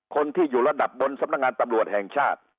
คนที่อยู่ระดับบนสำนักงานตำรวจแห่งชาติ